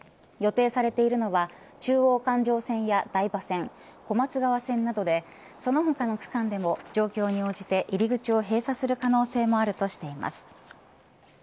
予定されているのは中央環状線や台場線小松川線などでその他の区間でも状況に応じて、入り口を閉鎖する可能性もあるとしています。